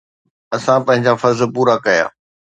اسان پنهنجا فرض پورا ڪيا.